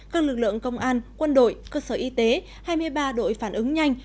các lực lượng công an quân đội cơ sở y tế hai mươi ba đội phản ứng nhanh